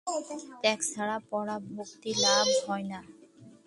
ত্যাগ ছাড়া পরাভক্তি লাভ হয় না।